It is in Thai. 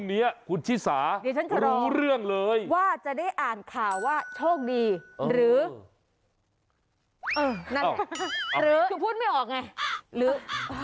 เดี๋ยวพรุ่งนี้คุณชิสารู้เรื่องเลยว่าจะได้อ่านข่าวว่าโชคดีหรือ